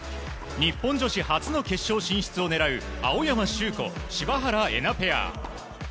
日本女子初の決勝進出を狙う青山修子、柴原瑛菜ペア。